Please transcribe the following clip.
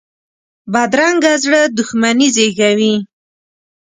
بدرنګه زړه دښمني زېږوي